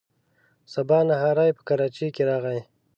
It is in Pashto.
سبا نهاری په کراچۍ کې راغی.